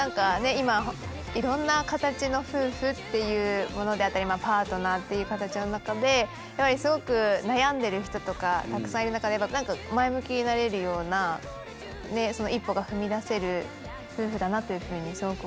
今いろんな形の夫婦っていうものであったりパートナーっていう形の中でやっぱりすごく悩んでる人とかたくさんいる中でなんか夫婦だなというふうにすごく思いました。